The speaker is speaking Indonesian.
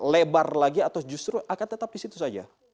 lebar lagi atau justru akan tetap di situ saja